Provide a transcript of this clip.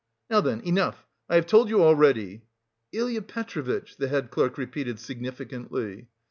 "Now then! Enough! I have told you already..." "Ilya Petrovitch!" the head clerk repeated significantly.